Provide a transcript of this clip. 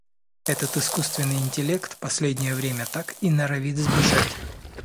Этот искусственный интеллект, последнее время, так и норовит сбежать.